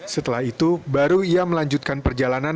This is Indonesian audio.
setelah itu baru ia melanjutkan perjalanan